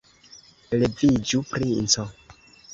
Leviĝu, princo.